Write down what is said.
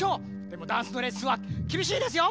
でもダンスのレッスンはきびしいですよ！